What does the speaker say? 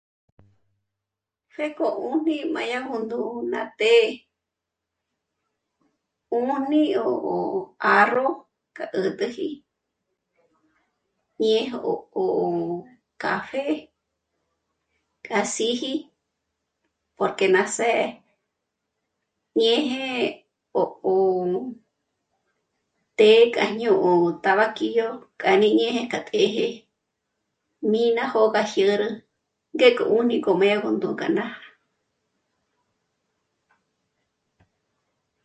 Pjéko 'újni m'âyanú ndǘ'rü ná té 'ùni yó 'árro k'a 'ä̀t'äji ñéj ó café k'a síji porque nà së̌'ë, ñéje ó té k'a jñô'o tabaquillo k'ârí ñéje k'a të̌je mí ná jó'o k'a jiärü ngéko 'ùni k'ö̀jmé gú ndú'u k'a ná'a